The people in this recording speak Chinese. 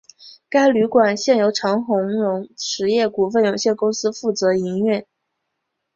该旅馆现由长鸿荣实业股份有限公司负责营运。